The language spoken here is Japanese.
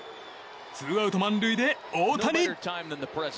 ツーアウト満塁で大谷。